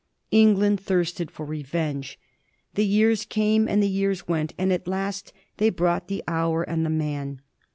England thirsted for revenge. The years came and the years went, and at last they brought the hour and the men.